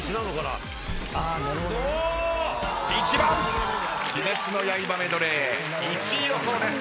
１番『鬼滅の刃』メドレー１位予想です。